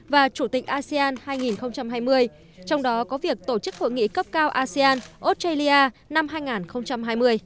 và chủ tịch asean hai nghìn hai mươi trong đó có việc tổ chức hội nghị cấp cao asean australia năm hai nghìn hai mươi